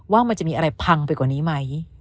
ว่ามันจะมีอะไรพังไปกว่านี้ไหม